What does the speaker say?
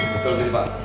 betul betul bang